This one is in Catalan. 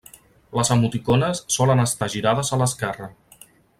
Les emoticones solen estar girades a l'esquerra.